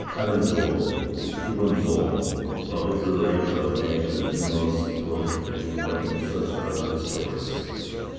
Avenzoar (Ibn Zohr) a little later made numerous important medical and surgical discoveries.